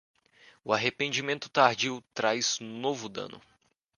O arrependimento tardio traz novo dano.